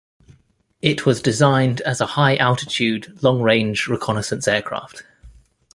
It was designed as a high altitude long-range reconnaissance aircraft.